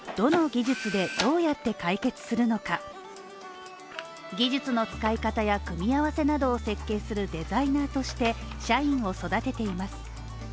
技術の使い方や組み合わせなどを設計するデザイナーとして社員を育てています。